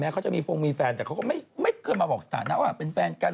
เขาจะมีฟงมีแฟนแต่เขาก็ไม่เคยมาบอกสถานะว่าเป็นแฟนกัน